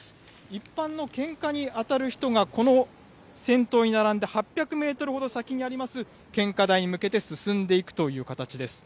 一般の献花に当たる人がこの先頭に並んで、８００メートルほど先にあります、献花台に向けて進んでいくという形です。